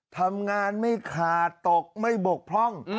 ทำงานไม่ขาดตกไม่บกพร่อง